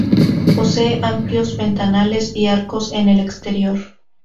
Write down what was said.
Posee amplios ventanales y arcos en el exterior.